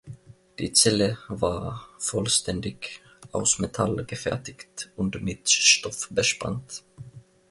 Die Zelle war vollständig aus Metall gefertigt und mit Stoff bespannt.